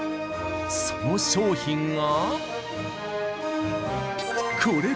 その商品がこれ